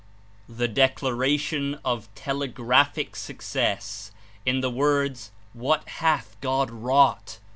The declaration of telegraphic success, In the words, "What hath God wrought!"